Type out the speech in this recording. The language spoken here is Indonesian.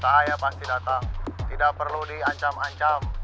saya pasti datang tidak perlu diancam ancam